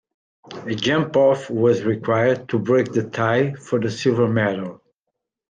A jump-off was required to break the tie for the silver medal.